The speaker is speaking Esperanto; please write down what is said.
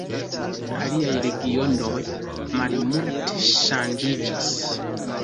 Aliaj regionoj malmulte ŝanĝiĝis.